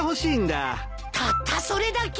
たったそれだけ？